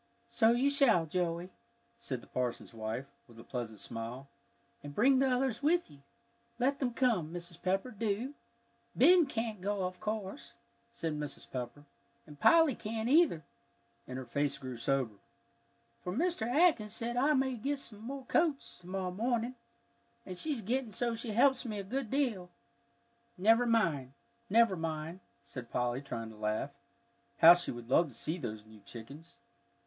"So you shall, Joey," said the parson's wife, with a pleasant smile, "and bring the others with you. Let them come, Mrs. Pepper, do." "Ben can't go, of course," said Mrs. Pepper, "and Polly can't, either," and her face grew sober, "for Mr. Atkins says I may get some more coats to morrow morning, and she's getting so she helps me a good deal." "Never mind," said Polly, trying to laugh. How she would love to see those new chickens!